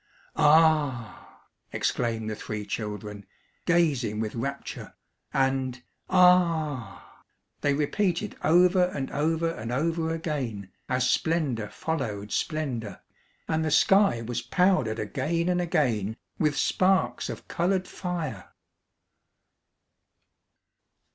"A a h!" exclaimed the three children, gazing with rapture. And "A a h!" they repeated over and over and over again, as splendour followed splendour, and the sky was powdered again and again with sparks of coloured fire.